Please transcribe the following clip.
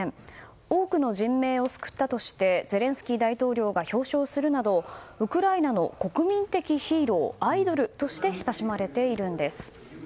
多くの人命を救ったとしてゼレンスキー大統領が表彰するなどウクライナの国民的ヒーロー、アイドルとして親しまれているんです。